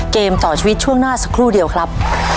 เกมต่อชีวิตช่วงหน้าสักครู่เดียวครับ